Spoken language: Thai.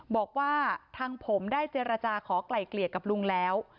บอกว่าทางผมได้เจรจาขอไกล่เกลี่ยกับลุงแล้ว